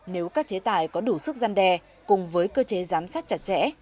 nếu các chế tài có đủ sức gian đe cùng với cơ chế giám sát chặt chẽ